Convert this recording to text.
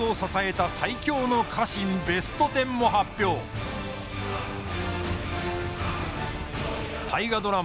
更に大河ドラマ